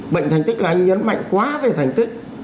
bệnh thành tích là anh nhấn mạnh quá về thành tích